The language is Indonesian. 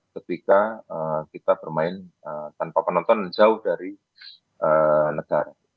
ketika kita bermain tanpa penonton jauh dari negara